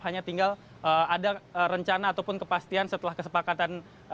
hanya tinggal ada rencana ataupun kepastian setelah kesepakatan